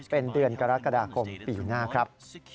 เป็นเดือนกรกฎาคมปีหน้าครับ